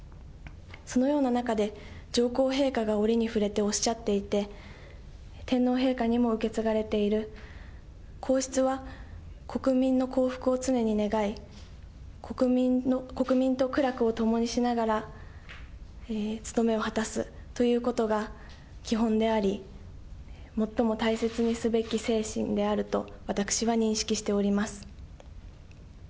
そのような中で、上皇陛下が折に触れておっしゃっていて、天皇陛下にも受け継がれている、皇室は国民の幸福を常に願い、国民と苦楽を共にしながらつとめを果たすということが基本であり、最も大切にすべき精神であると、私は認識しております。